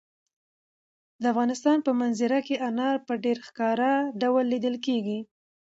د افغانستان په منظره کې انار په ډېر ښکاره ډول لیدل کېږي.